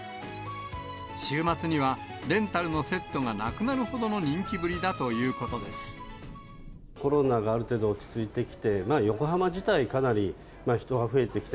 週末には、レンタルのセットがなくなるほどの人気ぶりだというこコロナがある程度落ち着いてきて、横浜自体、かなり人が増えてきて。